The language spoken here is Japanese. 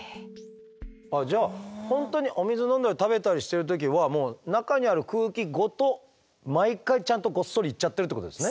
じゃあ本当にお水飲んだり食べたりしてる時は中にある空気ごと毎回ちゃんとごっそりいっちゃってるってことですね。